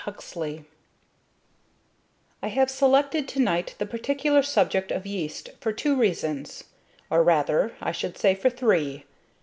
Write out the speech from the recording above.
Huxley I HAVE selected to night the particular subject of Yeast for two reasons or, rather, I should say for three.